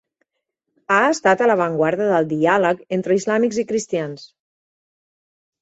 Ha estat "a l'avantguarda del diàleg entre islàmics i cristians".